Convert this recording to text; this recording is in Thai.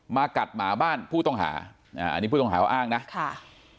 กัดหมาบ้านผู้ต้องหาอ่าอันนี้ผู้ต้องหาเขาอ้างนะค่ะ